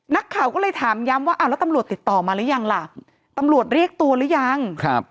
นักข่าวก็เลยถามย้ำว่าอ้าวแล้วตำรวจติดต่อมาหรือยังล่ะตำรวจเรียกตัวหรือยังครับ